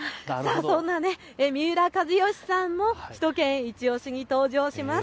三浦知良さんも首都圏いちオシ！に登場します。